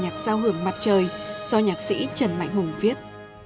nhạc giao hưởng mặt trời do nhạc sĩ trần mạnh hùng viết